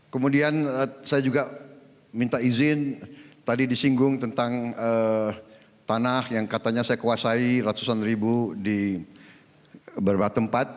kemudian saya juga minta izin tadi disinggung tentang tanah yang katanya saya kuasai ratusan ribu di beberapa tempat